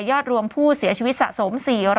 อดรวมผู้เสียชีวิตสะสม๔๐๐